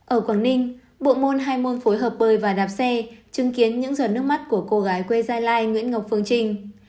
ở quảng ninh bộ môn hai môn phối hợp bơi và đạp xe chứng kiến những giọt nước mắt của cô gái quê giai lai nguyễn ngọc phương trinh